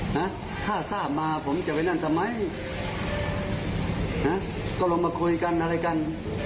นะถ้าทราบมาผมจะไปนั่นทำไมนะก็ลงมาคุยกันอะไรกัน